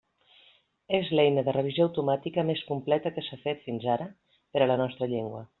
És l'eina de revisió automàtica més completa que s'ha fet fins ara per a la nostra llengua.